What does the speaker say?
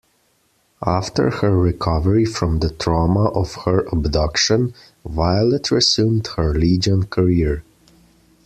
After her recovery from the trauma of her abduction, Violet resumed her Legion career.